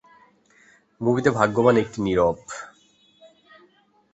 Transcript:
মুভিতে ভাগ্যবান একটি নীরব।